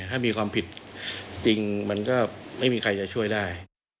ถ้ามีความผิดจริงมันก็ไม่มีใครจะช่วยได้